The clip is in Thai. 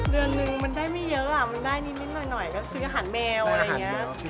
เดือนนึงมันได้ไม่เยอะมันได้นิดหน่อยก็คืออาหารแมวอะไรอย่างนี้